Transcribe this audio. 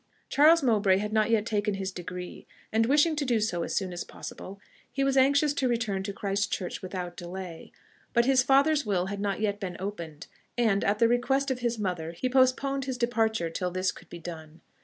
Charles Mowbray had not yet taken his degree, and wishing to do so as soon as possible, he was anxious to return to Christ Church without delay; but his father's will had not yet been opened, and, at the request of his mother, he postponed his departure till this could be done.